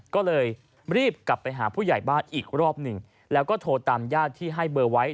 ก็เลยรีบกลับไปหาผู้ใหญ่บ้านอีกรอบหนึ่งแล้วก็โทรตามญาติที่ให้เบอร์ไว้